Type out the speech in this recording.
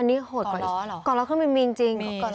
อันนี้โหดกว่าอีกก่อล้อเครื่องบินมีจริงใช่